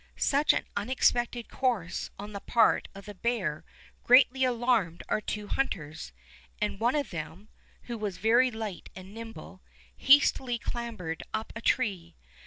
Such an unexpected course on the part of the bear greatly alarmed our two hunters, and one of them, who was very light and nimble, hastily clambered up a tree.